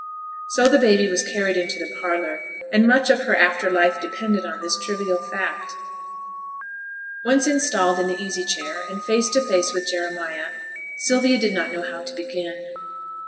So the baby was carried into the parlour, and much of her after life depended on this trivial fact. Once installed in the easy chair, and face to face with Jeremiah, Sylvia did not know how to begin.